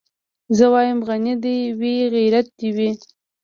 زه وايم غني دي وي غيرت دي وي